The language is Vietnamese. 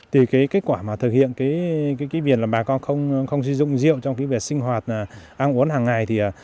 thì cái kết quả mà thực hiện cái việc là bà con không sử dụng rượu trong cái việc sinh hoạt ăn uống hàng ngày thì